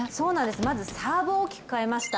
まずサーブを大きく変えました。